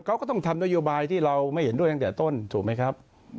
เขาก็ต้องทำนโยบายที่เราไม่เห็นด้วยตั้งแต่ต้นถูกไหมครับ